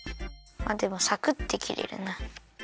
あっでもサクッて切れるな。